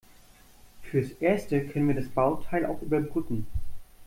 Fürs Erste können wir das Bauteil auch überbrücken.